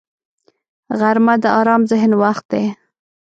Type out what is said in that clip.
غرمه د آرام ذهن وخت دی